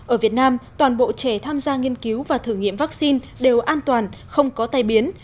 ở việt nam toàn bộ trẻ tham gia nghiên cứu và thử nghiệm vaccine đều an toàn không có tai biến